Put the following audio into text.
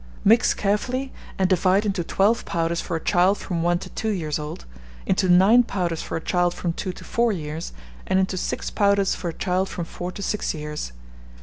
Mix carefully, and divide into 12 powders for a child from 1 to 2 years old; into 9 powders for a child from 2 to 4 years; and into 6 powders for a child from 4 to 6 years.